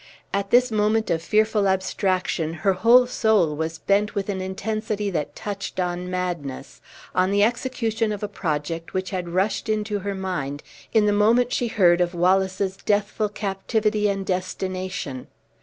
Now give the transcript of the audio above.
At this moment of fearful abstraction, her whole soul was bent with an intensity that touched on madness, on the execution of a project which had rushed into her mind in the moment she heard of Wallace's deathful captivity and destination.